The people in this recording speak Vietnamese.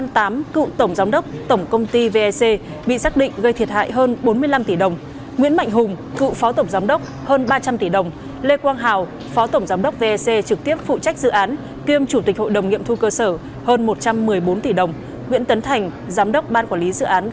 tấn thành giám đốc ban quản lý dự án kiêm phó chủ tịch hội đồng nghiệm thu cơ sở hơn hai trăm tám mươi triệu đồng